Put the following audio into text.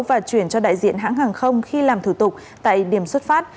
và chuyển cho đại diện hãng hàng không khi làm thủ tục tại điểm xuất phát